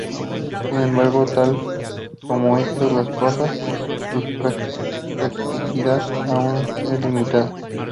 Sin embargo, tal como están las cosas, su practicidad aún es limitada.